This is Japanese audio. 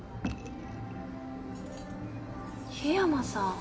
桧山さん。